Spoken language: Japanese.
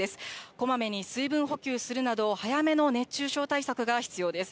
こまめに水分補給するなど、早めの熱中症対策が必要です。